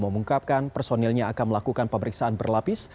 mengungkapkan personilnya akan melakukan pemeriksaan berlapis